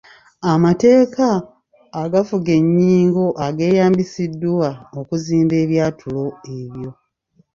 Amateeka agafuga ennyingo ageeyambisiddwa okuzimba ebyatulo ebyo.